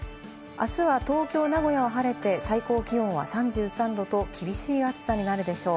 あすは東京、名古屋は晴れて最高気温は３３度と厳しい暑さになるでしょう。